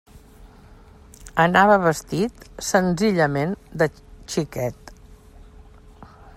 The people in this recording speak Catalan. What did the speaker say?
Anava vestit, senzillament, de xiquet.